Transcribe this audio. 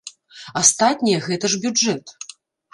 Астатняе гэта ж бюджэт.